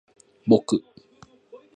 ぼく